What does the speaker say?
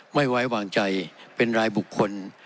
ไม่ไว้วางใจเป็นรายบุคคล